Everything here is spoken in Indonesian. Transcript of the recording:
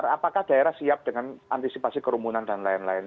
apakah daerah siap dengan antisipasi kerumunan dan lain lain